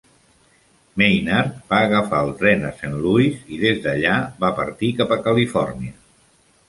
Maynard va agafar el tren a Saint Louis i des d'allà va partir cap a Califòrnia.